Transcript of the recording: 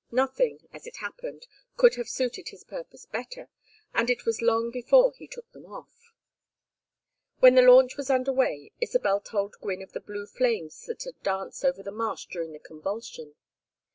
Nothing, as it happened, could have suited his purpose better, and it was long before he took them off. When the launch was under way Isabel told Gwynne of the blue flames that had danced over the marsh during the convulsion.